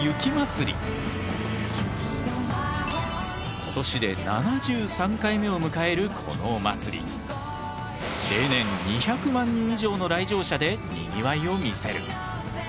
今年で７３回目を迎えるこのお祭り例年２００万人以上の来場者でにぎわいを見せる。